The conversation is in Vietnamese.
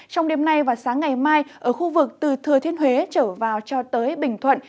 trong đêm nay và sáng ngày mai ở khu vực từ thừa thiên huế trở vào cho tới bình thuận